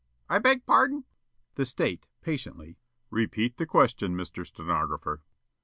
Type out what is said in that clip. Yollop: "I beg pardon?" The State, patiently: "Repeat the question, Mr. Stenographer."